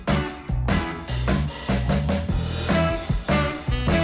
โอ้ยโอ้ยโอ้ยโอ้ยโอ้ยโอ้ย